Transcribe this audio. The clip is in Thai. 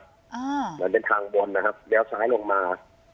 เหมือนเป็นทางวนนะครับเลี้ยวซ้ายลงมา